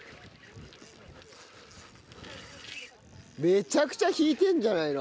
めちゃくちゃ引いてるんじゃないの？